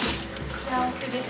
幸せです。